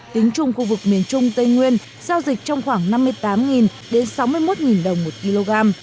tính chung khu vực miền trung tây nguyên giao dịch trong khoảng năm mươi tám đến sáu mươi một đồng một kg